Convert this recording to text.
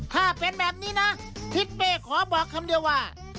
ถ้าเป็นแบบนี้นะทิศเป้ขอบอกคำเดียวว่า